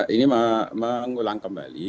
ini mengulang kembali